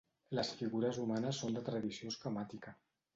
Les figures humanes són de tradició esquemàtica.